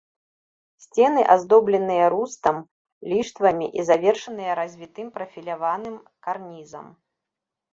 Сцены аздобленыя рустам, ліштвамі і завершаныя развітым прафіляваным карнізам.